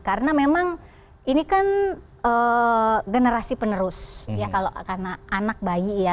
karena memang ini kan generasi penerus ya kalau karena anak bayi ya